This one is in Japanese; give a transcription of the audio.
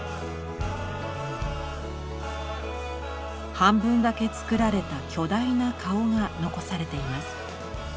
半分だけ作られた巨大な顔が残されています。